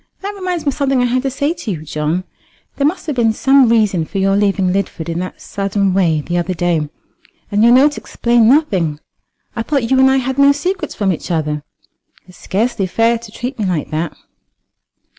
"That reminds me of something I had to say to you, John. There must have been some reason for your leaving Lidford in that sudden way the other day, and your note explained nothing. I thought you and I had no secrets from each other, It's scarcely fair to treat me like that."